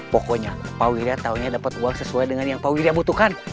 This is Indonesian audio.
pokoknya pak wirya taunya dapat uang sesuai dengan yang pak william butuhkan